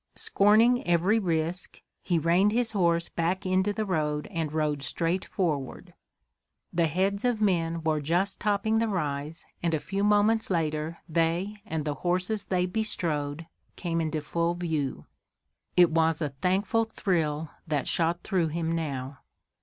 Scorning every risk, he reined his horse back into the road and rode straight forward. The heads of men were just topping the rise, and a few moments later they and the horses they bestrode came into full view. It was a thankful thrill that shot through him now.